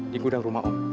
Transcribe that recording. di gudang rumah om